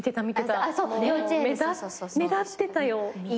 もう目立ってたよ。